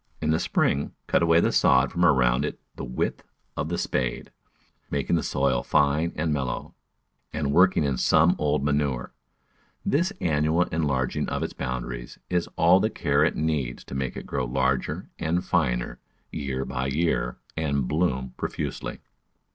In the spring cut away the sod from around it the width of the spade, making the soil fine and mellow, and working in some old manure. This annual enlarging of its boundaries is all the care it needs to make it grow larger and finer, year by year, and bloom profusely.